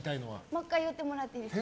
もう１回言ってもらっていいですか。